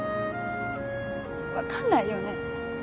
わかんないよね。